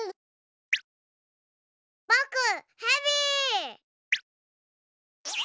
ぼくヘビ！